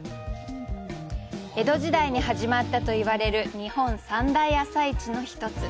江戸時代に始まったと言われる日本三大朝市の一つ。